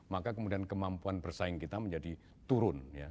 maka kemudian kemampuan bersaing kita menjadi turun